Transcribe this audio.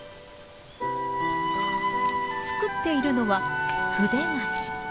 作っているのは筆柿。